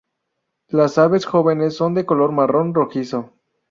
Las aves jóvenes son de color marrón rojizo.